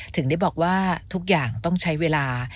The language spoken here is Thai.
ถึงได้บอกว่าทุกอย่างต้องใช้เวลา